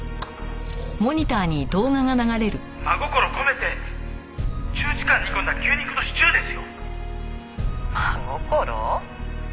「真心込めて１０時間煮込んだ牛肉のシチューですよ？」「真心？」